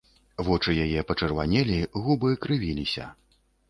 Вочы яе пачырванелі, губы крывіліся.